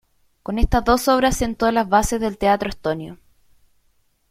Con estas dos obras sentó las bases del teatro estonio.